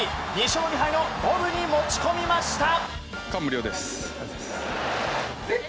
２勝２敗の五分に持ち込みました。